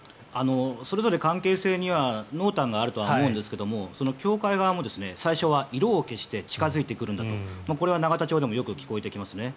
それぞれ関係性には濃淡があるとは思うんですがその教会側も最初は色を消して近付いてくるんだとこれは永田町でもよく聞こえてきますね。